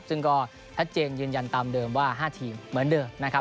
ซึ่งก็ชัดเจนยืนยันตามเดิมว่า๕ทีมเหมือนเดิมนะครับ